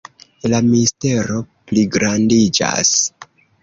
La mistero pligrandiĝas.